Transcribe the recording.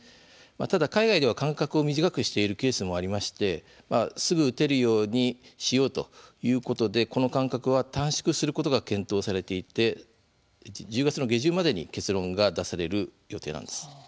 ただ、海外では間隔を短くしているケースもありましてすぐ打てるようにしようということでこの間隔は短縮することが検討されていて１０月下旬までに結論が出される予定なんです。